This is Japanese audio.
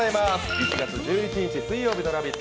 １月１１日水曜日の「ラヴィット！」